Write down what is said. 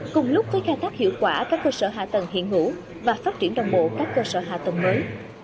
cùng lúc với khai thác hiệu quả các cơ sở hạ tầng hiện hữu và phát triển đồng bộ các cơ sở hạ tầng mới